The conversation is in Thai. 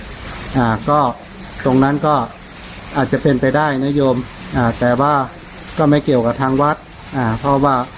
เท่านั้นใช่สิ่งที่ผมคิดว่าจะเป็นได้แต่มันไม่เกี่ยวกับทางพี่วัด